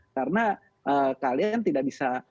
karena kalian tidak bisa